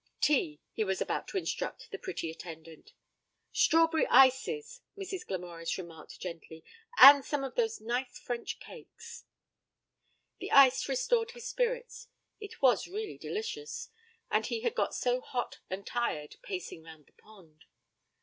'Tea,' he was about to instruct the pretty attendant. 'Strawberry ices,' Mrs. Glamorys remarked gently. 'And some of those nice French cakes.' The ice restored his spirits, it was really delicious, and he had got so hot and tired, pacing round the pond.